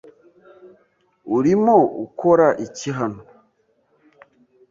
Urimo ukora iki hano?